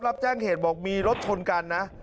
รับแจ้งเหตุบอกมีรถชนกันนะ